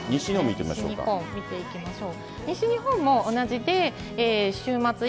西日本見ていきましょう。